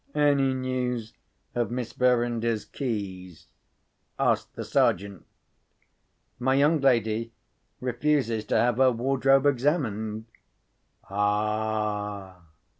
"Any news of Miss Verinder's keys?" asked the Sergeant. "My young lady refuses to have her wardrobe examined." "Ah!"